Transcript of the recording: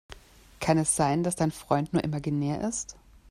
Kann es sein, dass dein Freund nur imaginär ist?